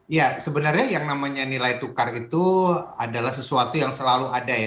ya sebenarnya yang namanya nilai tukar itu adalah sesuatu yang selalu ada ya